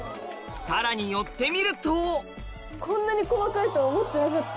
さらに寄ってみるとこんなに細かいと思ってなかった。